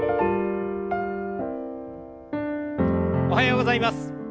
おはようございます。